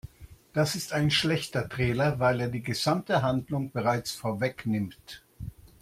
Das ist ein schlechter Trailer, weil er die gesamte Handlung bereits vorwegnimmt.